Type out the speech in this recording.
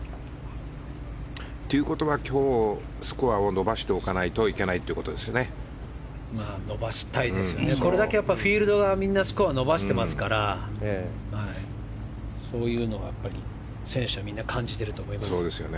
ということは今日、スコアを伸ばしておかないとこれだけフィールドがみんなスコアを伸ばしていますからそういうのを選手のみんなは感じていると思います。